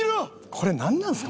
「これなんなんすか？